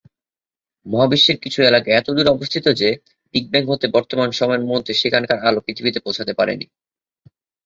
মহাবিশ্বের কিছু এলাকা এত দূরে অবস্থিত যে বিগ ব্যাং হতে বর্তমান সময়ের মধ্যে সেখানকার আলো পৃথিবীতে পৌঁছাতে পারেনি।